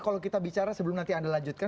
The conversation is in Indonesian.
kalau kita bicara sebelum nanti anda lanjutkan